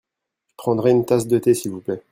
Je prendrai une tasse de thé s'il vous plait.